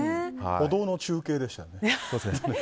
歩道の中継でしたね。